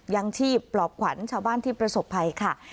ยังชีพปลอบขวัญชาวบ้านที่ประสบภัยค่ะ